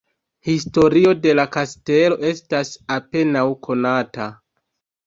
Historio de la kastelo estas apenaŭ konata.